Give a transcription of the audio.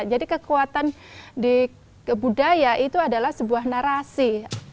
jadi kekuatan di budaya itu adalah sebuah narasi